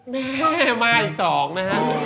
มาอีก๒นะฮะ